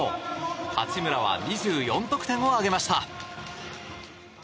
八村は２４得点を挙げました。